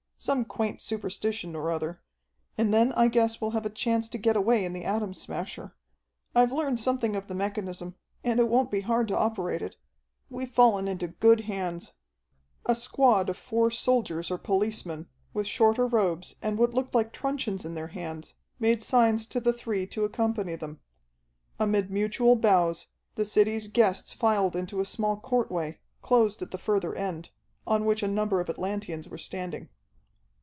Some quaint superstition or other. And then I guess we'll have a chance to get away in the Atom Smasher. I've learned something of the mechanism, and it won't be hard to operate it. We've fallen into good hands." A squad of four soldiers or policemen, with shorter robes and what looked like truncheons in their hands, made signs to the three to accompany them. Amid mutual bows, the city's guests filled into a small court way, closed at the further end, on which a number of Atlanteans were standing.